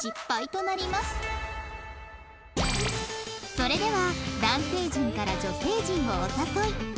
それでは男性陣から女性陣をお誘い